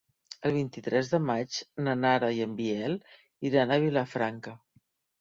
El vint-i-tres de maig na Nara i en Biel iran a Vilafranca.